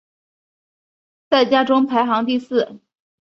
在家中排行第四。